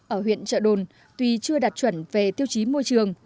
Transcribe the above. ở huyện trợ đồn tuy chưa đạt chuẩn về tiêu chí môi trường